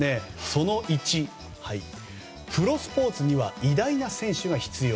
その１、プロスポーツには偉大な選手が必要。